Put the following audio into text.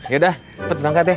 yaudah cepet bangkat ya